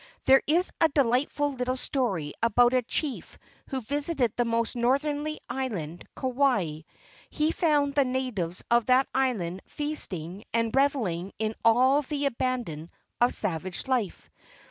There is a delightful little story about a chief who visited the most northerly island, Kauai. He found the natives of that island feasting and revelling in all the abandon of savage life.